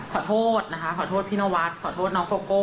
ขอโทษนะคะขอโทษพี่นวัดขอโทษน้องโกโก้